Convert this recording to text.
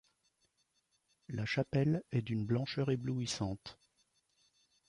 La chapelle est d'une blancheur éblouissante.